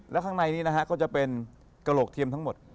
แล้วข้างในนี้นะฮะก็จะเป็นกระโหลกเทียมทั้งหมด